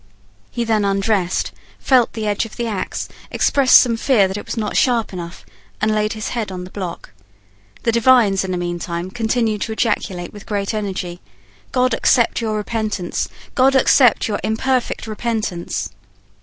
He then undressed, felt the edge of the axe, expressed some fear that it was not sharp enough, and laid his head on the block. The divines in the meantime continued to ejaculate with great energy: "God accept your repentance! God accept your imperfect repentance!"